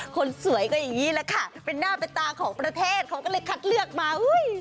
คนสวยก็อย่างนี้แหละค่ะเป็นหน้าเป็นตาของประเทศเขาก็เลยคัดเลือกมา